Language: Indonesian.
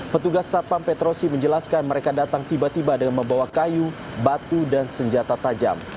petugas satpam petrosi menjelaskan mereka datang tiba tiba dengan membawa kayu batu dan senjata tajam